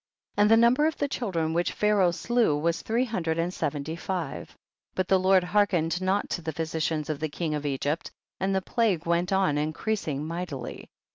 32. And the number of the child ren which Pharaoh slew was three hundred and seventy five. 33. But the Lord hearkened not to the physicians of the king of Egypt, and the plague went on in creasing mightily.